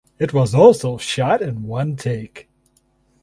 It was also shot in one take.